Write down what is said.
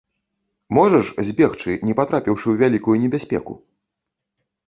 Можаш збегчы, не патрапіўшы ў вялікую небяспеку?